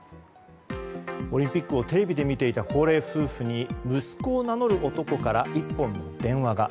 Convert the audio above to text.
オリンピックをテレビで見ていた高齢夫婦に息子を名乗る男から１本の電話が。